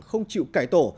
không chịu cải tổ